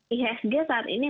iasg saat ini